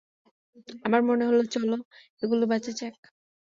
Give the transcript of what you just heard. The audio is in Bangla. আমার মনে হলো, চলো এগুলা বেচা যাক।